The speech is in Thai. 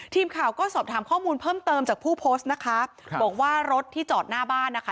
ทีมข่าวก็สอบถามข้อมูลเพิ่มเติมจากผู้โพสต์นะคะครับบอกว่ารถที่จอดหน้าบ้านนะคะ